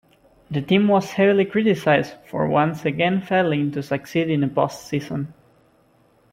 The team was heavily criticized for once again failing to succeed in the post-season.